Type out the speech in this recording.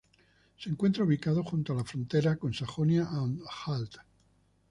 Se encuentra ubicado junto a la frontera con Sajonia-Anhalt.